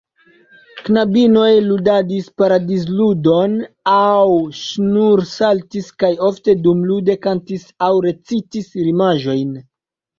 Knabinoj ludadis paradizludon aŭ ŝnursaltis, kaj ofte dumlude kantis aŭ recitis rimaĵojn.